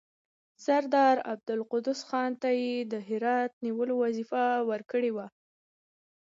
سردار عبدالقدوس خان ته یې د هرات نیولو وظیفه ورکړې وه.